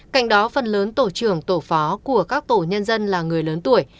cạnh đó phần lớn tổ trưởng tổ phó của các tổ nhân dân là người lớn tuổi